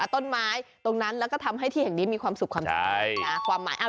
ต้นไม้ตรงนั้นแล้วก็ทำให้ที่อย่างนี้ความสุขความเจริญ